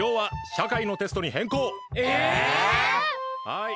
はい。